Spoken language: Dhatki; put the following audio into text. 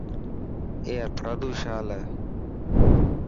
اي هٿرادو شال هي.